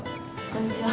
こんにちは。